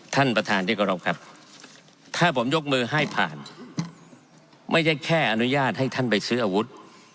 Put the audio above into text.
ท่านประธานที่กรบครับถ้าผมยกมือให้ผ่านไม่ใช่แค่อนุญาตให้ท่านไปซื้ออาวุธ